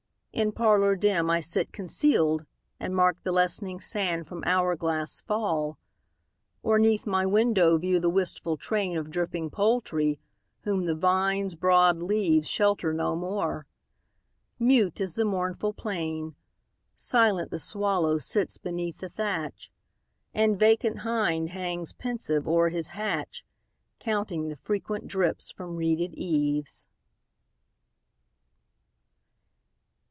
In parlour dim I sit concealed, And mark the lessening sand from hour glass fall; Or 'neath my window view the wistful train Of dripping poultry, whom the vine's broad leaves Shelter no more. Mute is the mournful plain; Silent the swallow sits beneath the thatch, And vacant hind hangs pensive o'er his hatch, Counting the frequent drips from reeded eaves.